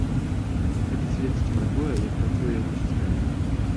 Гэта сведчыць пра тое, як працуе яго сістэма.